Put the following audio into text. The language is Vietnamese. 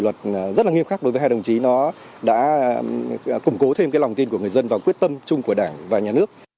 hãy đăng ký kênh để ủng hộ kênh của mình nhé